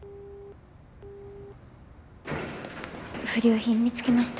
不良品見つけました。